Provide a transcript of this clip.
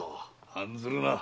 案ずるな。